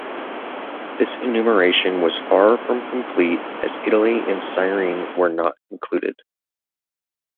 This enumeration was far from complete as Italy and Cyrene were not included.